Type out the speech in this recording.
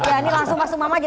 ya ini langsung mas umam aja